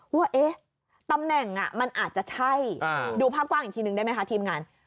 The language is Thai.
ว่าตำแหน่งมันอาจจะใช่ดูภาพกว้างอีกทีนึงได้ไหมคะทีมงาน